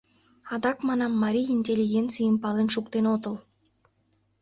— Адак манам, марий интеллигенцийым пален шуктен отыл.